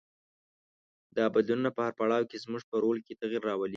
دا بدلونونه په هر پړاو کې زموږ په رول کې تغیر راولي.